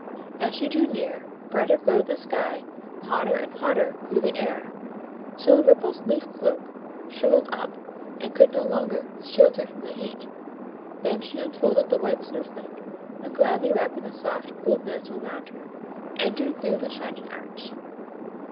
As she drew near, brighter glowed the sky, hotter and hotter grew the air, till Ripple's leaf cloak shrivelled up, and could no longer shield her from the heat; then she unfolded the white snow flake, and, gladly wrapping the soft, cool mantle round her, entered through the shining arch.